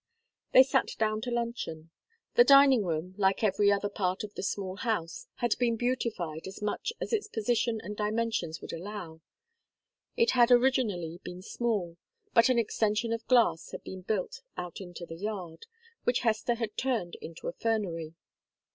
They sat down to luncheon. The dining room, like every other part of the small house, had been beautified as much as its position and dimensions would allow. It had originally been small, but an extension of glass had been built out into the yard, which Hester had turned into a fernery.